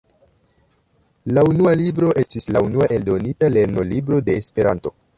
La "Unua Libro" estis la unua eldonita lernolibro de Esperanto.